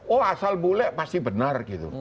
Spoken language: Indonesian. oh asal bule pasti benar gitu